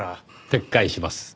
撤回します。